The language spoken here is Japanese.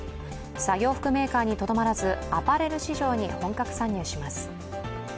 作業服メーカーにとどまらずアパレル市場に本格参入します。